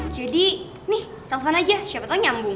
jadi nih telfon aja siapa tau nyambung